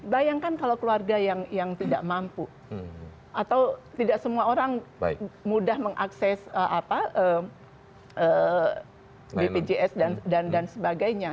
bayangkan kalau keluarga yang tidak mampu atau tidak semua orang mudah mengakses bpjs dan sebagainya